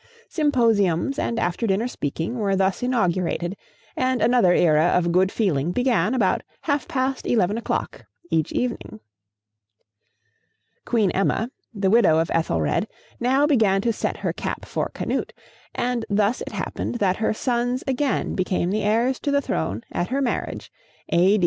Symposiums and after dinner speaking were thus inaugurated, and another era of good feeling began about half past eleven o'clock each evening. [Illustration: THE SEA "GOES BACK" ON CANUTE.] Queen Emma, the widow of Ethelred, now began to set her cap for Canute, and thus it happened that her sons again became the heirs to the throne at her marriage, A.